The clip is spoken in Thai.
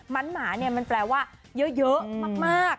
มันหมาเนี่ยมันแปลว่าเยอะมาก